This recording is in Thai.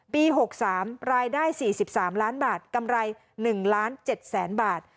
ปี๖๓รายได้๔๓ล้านบาทกำไร๑๗ล้านบาท